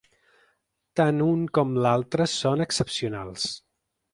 Tant un com l'altre són excepcionals.